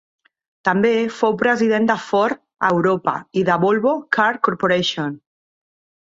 També fou president de Ford a Europa i de Volvo Car Corporation.